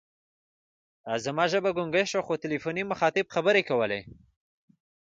زما ژبه ګونګۍ شوه، خو تلیفوني مخاطب خبرې کولې.